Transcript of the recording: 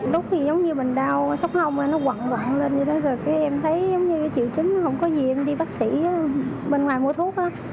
lúc thì giống như mình đau sốc lông nó quặn quặn lên như thế rồi em thấy giống như chịu chính không có gì em đi bác sĩ bên ngoài mua thuốc á